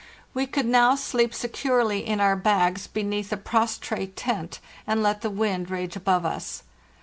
We could now sleep securely in our bags beneath the pros trate tent, and let the wind rage above us.